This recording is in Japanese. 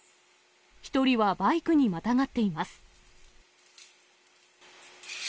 １人はバイクにまたがっています。